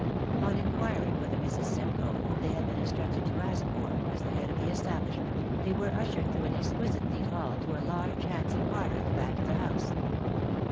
On inquiring for the Mrs. Simcoe, whom they had been instructed to ask for, as the head of the establishment, they were ushered through an exquisitely neat hall to a large handsome parlour at the back of the house.